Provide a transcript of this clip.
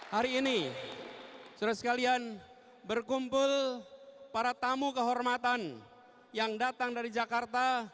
hari ini saudara sekalian berkumpul para tamu kehormatan yang datang dari jakarta